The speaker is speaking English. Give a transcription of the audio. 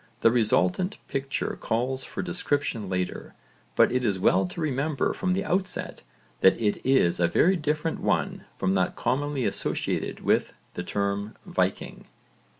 The resultant picture calls for description later, but it is well to remember from the outset that it is a very different one from that commonly associated with the term 'Viking.'